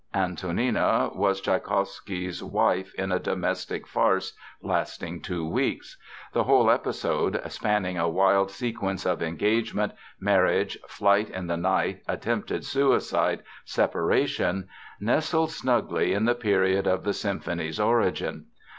Antonina was Tschaikowsky's wife in a domestic farce lasting two weeks. The whole episode—spanning a wild sequence of engagement, marriage, flight in the night, attempted suicide, separation—nestles snugly in the period of the symphony's origin.